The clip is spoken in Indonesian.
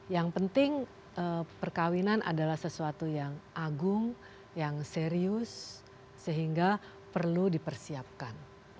yang penting perkawinan adalah sesuatu yang agung yang serius sehingga perlu dipersiapkan